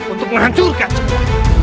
untuk merancurkan semua